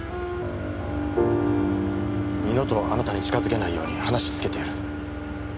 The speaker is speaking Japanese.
二度とあなたに近づけないように話つけてやる。